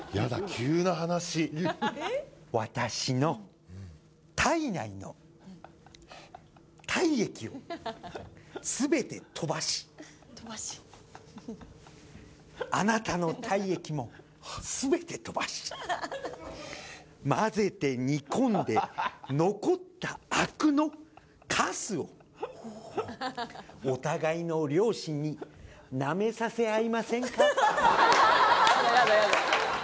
急な話私の体内の体液を全て飛ばしあなたの体液も全て飛ばし混ぜて煮込んで残ったあくのカスをほお互いの両親になめさせ合いませんか？